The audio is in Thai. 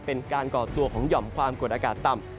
ก่อตัวของหย่อมความกดอากาศต่ำ